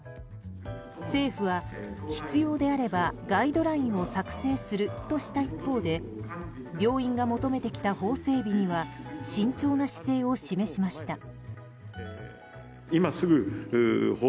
政府は必要であればガイドラインを作成するとした一方で病院が求めてきた法整備には慎重な姿勢を示しました。